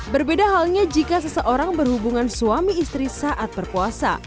berbeda halnya jika seseorang berhubungan suami istri saat berpuasa